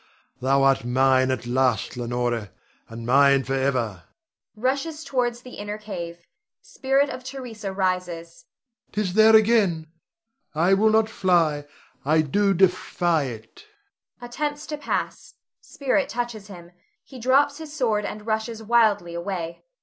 Thou art mine at last, Leonore, and mine forever! [Rushes towards the inner cave. Spirit of Theresa rises.] There 'tis again! I will not fly, I do defy it! [_Attempts to pass. Spirit touches him; he drops his sword and rushes wildly away.